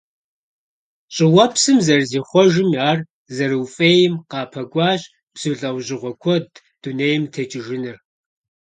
ЩӀыуэпсым зэрызихъуэжым ар зэрауфӀейм къапэкӀуащ бзу лӀэужьыгъуэ куэд дунейм текӀыжыныр.